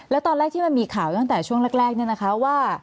แล้วตอนแรกที่มันมีข่าวตั้งแต่ช่วงแรกเนี่ยนะคะว่า